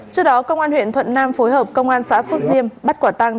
trước đó công an huyện thuận nam phối hợp công an xã phước diêm bắt quả tăng